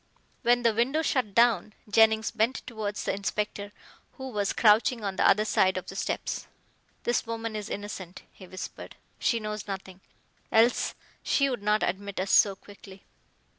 When the window shut down, Jennings bent towards the inspector, who was crouching on the other side of the steps. "This woman is innocent," he whispered. "She knows nothing, else she would not admit us so quickly."